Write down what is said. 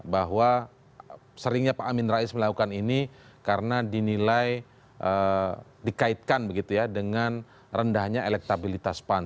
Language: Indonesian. bahwa seringnya pak amin rais melakukan ini karena dinilai dikaitkan begitu ya dengan rendahnya elektabilitas pan